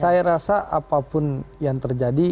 saya rasa apapun yang terjadi